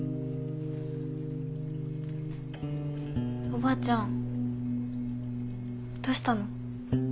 おばあちゃんどうしたの？